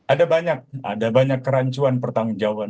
ada banyak kerancuan pertanggung jawaban